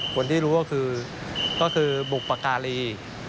คนที่รู้ก็คือบุปการี